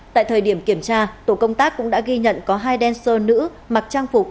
tại thời điểm kiểm tra tổ công tác cũng đã ghi nhận có hai dancer nữ mặc trang phục